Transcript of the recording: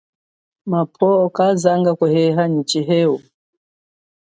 Mapwo kazanga kuheha nyi tshiheu.